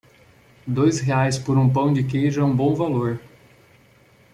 Dois reais por um pão de queijo é um bom valor